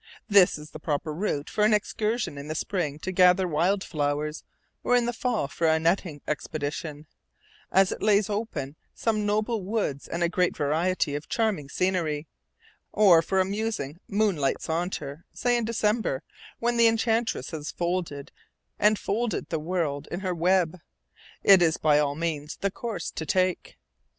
This is the proper route for an excursion in the spring to gather wild flowers, or in the fall for a nutting expedition, as it lays open some noble woods and a great variety of charming scenery; or for a musing moonlight saunter, say in December, when the Enchantress has folded and folded the world in her web, it is by all means the course to take.